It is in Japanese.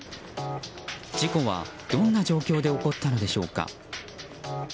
事故は、どんな状況で起こったのでしょうか。